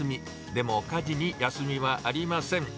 でも、家事に休みはありません。